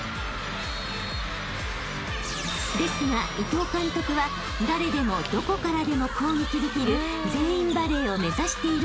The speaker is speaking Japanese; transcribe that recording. ［ですが伊藤監督は誰でもどこからでも攻撃できる全員バレーを目指しているのだとか］